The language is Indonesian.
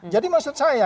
jadi maksud saya